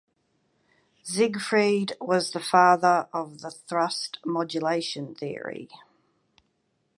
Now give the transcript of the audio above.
Siegfried was the father of the "thrust modulation theory".